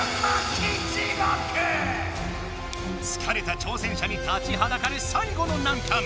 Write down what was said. つかれた挑戦者に立ちはだかる最後の難関！